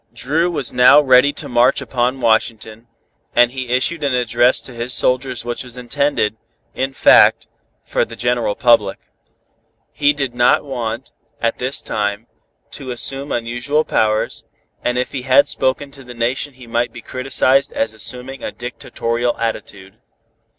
Dru was now ready to march upon Washington, and he issued an address to his soldiers which was intended, in fact, for the general public. He did not want, at this time, to assume unusual powers, and if he had spoken to the Nation he might be criticised as assuming a dictatorial attitude.